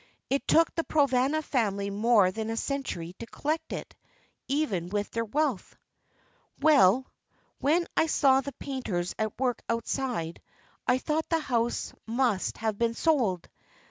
It took the Provana family more than a century to collect it even with their wealth." "Well, when I saw the painters at work outside I thought the house must have been sold.